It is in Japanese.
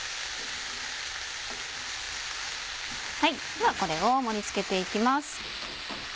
ではこれを盛り付けていきます。